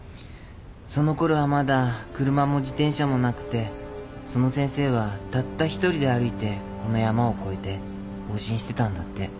そのころはまだ車も自転車もなくてその先生はたった一人で歩いてこの山を越えて往診してたんだって。